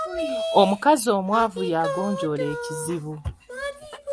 Omukazi omwavu yagonjoola ekizibu.